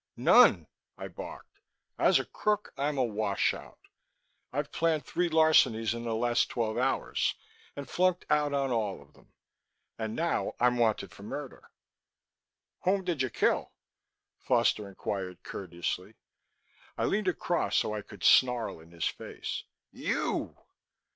"None," I barked. "As a crook, I'm a washout. I've planned three larcenies in the last twelve hours, and flunked out on all of them. And now I'm wanted for murder." "Whom did you kill?" Foster inquired courteously. I leaned across so I could snarl in his face: "You!"